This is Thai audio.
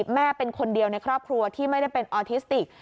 แม่เป็นคนเดียวในครอบครัวที่ไม่ได้เป็นออทิสติก